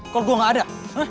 kalo gue gak ada